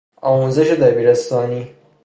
آموزش دبیرستانی